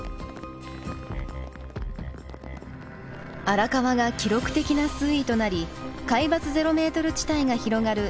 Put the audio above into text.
荒川が記録的な水位となり海抜ゼロメートル地帯が広がる